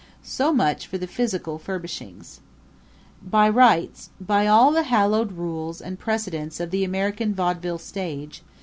So much for the physical furbishings. By rights by all the hallowed rules and precedents of the American vaudeville stage!